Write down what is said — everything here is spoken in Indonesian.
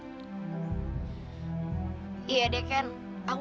iya deh ken aku ngaku itu semua emang tulisan aku